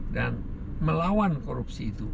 dan melawan korupsi itu